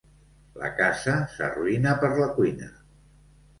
La casa s'arruïna per la cuina.